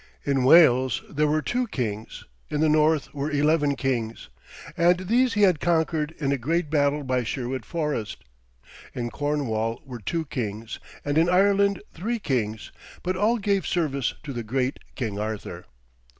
In Wales there were two kings, in the north were eleven kings, and these he had conquered in a great battle by Sherwood Forest; in Cornwall were two kings, and in Ireland three kings, but all gave service to the great King Arthur.